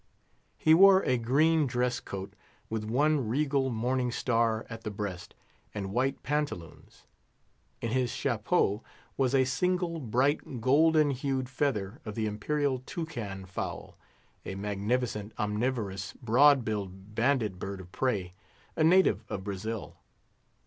He wore a green dress coat, with one regal morning star at the breast, and white pantaloons. In his chapeau was a single, bright, golden hued feather of the Imperial Toucan fowl, a magnificent, omnivorous, broad billed bandit bird of prey, a native of Brazil.